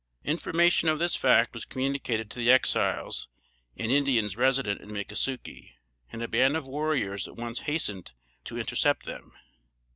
Information of this fact was communicated to the Exiles and Indians resident at Mickasukie, and a band of warriors at once hastened to intercept them.